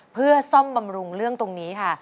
เพื่อซ่อมบำรุงเรื่องตรงนี้ค่ะ